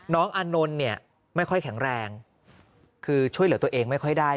อานนท์เนี่ยไม่ค่อยแข็งแรงคือช่วยเหลือตัวเองไม่ค่อยได้